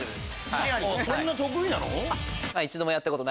そんな得意なの？